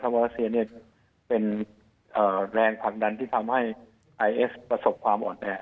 เพราะว่ารัสเซียเป็นแรงผลักดันที่ทำให้ไอเอสประสบความอ่อนแอ